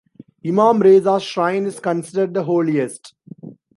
Imam Reza's shrine is considered the holiest.